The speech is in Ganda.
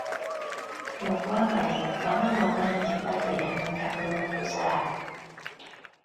Mu ggwanga lino ba maama bangi bafiira mu lutalo lw'okuzaala.